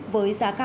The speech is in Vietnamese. với giá cao hơn